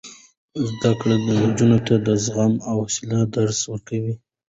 زده کړه نجونو ته د زغم او حوصلې درس ورکوي.